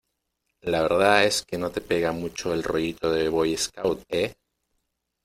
la verdad es que no te pega mucho el rollito de boy scout, ¿ eh?